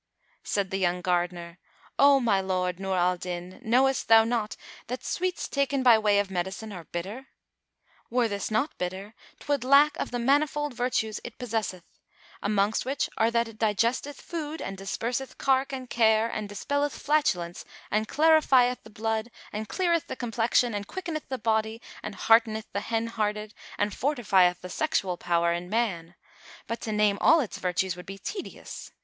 Said the young gardener, "O my lord Nur al Din, knowest thou not that sweets taken by way of medicine are bitter? Were this not bitter, 'twould lack of the manifold virtues it possesseth; amongst which are that it digesteth food and disperseth cark and care and dispelleth flatulence and clarifieth the blood and cleareth the complexion and quickeneth the body and hearteneth the hen hearted and fortifieth the sexual power in man; but to name all its virtues would be tedious.